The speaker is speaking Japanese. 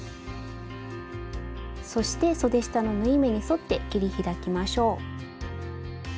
そしてそで下の縫い目に沿って切り開きましょう。